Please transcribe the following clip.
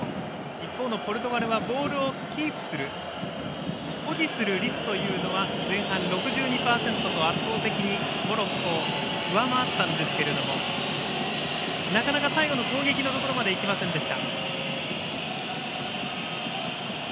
一方のポルトガルはボールをキープする保持する率というのは前半６２％と圧倒的にモロッコを上回ったんですけどもなかなか最後の攻撃のところまでいきませんでした。